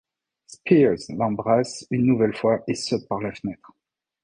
Spears l'embrasse une nouvelle fois et saute par la fenêtre.